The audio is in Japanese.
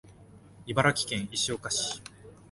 茨城県石岡市